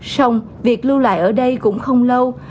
xong việc lưu lại ở đây cũng không lâu